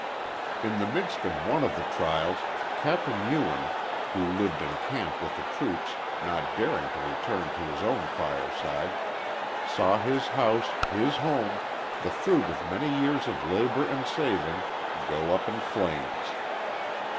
In the midst of one of the trials Capt. Ewen, who lived in camp with the troops, not daring to return to his own fireside, saw his house, his home, the fruit of many years of labor and saving, go up in flames.